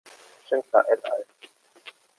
Schindler et al.